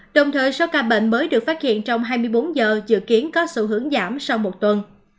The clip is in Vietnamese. đồng thời số ca bệnh mới được phát hiện trong hai mươi bốn giờ dự kiến có xu hướng giảm sau một tuần